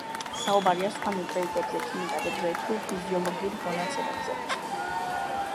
საუბარია სხვა ნუტრიენტებზე, ქიმიკატებზე, თუ ფიზიოლოგიურ მონაცემებზე.